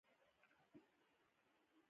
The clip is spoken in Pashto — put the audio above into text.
🌽 جوار